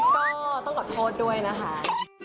ก็ต้องขอโทษด้วยนะคะ